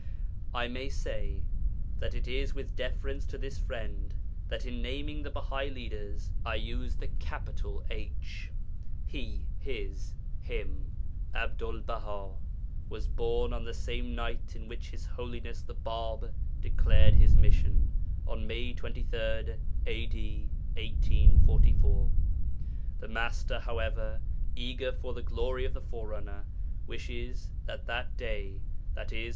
I may say that it is with deference to this friend that in naming the Bahai leaders I use the capital H (He, His, Him). Abdul Baha was born on the same night in which His Holiness the Bāb declared his mission, on May 23, A.D. 1844. The Master, however, eager for the glory of the forerunner, wishes that that day (i.e.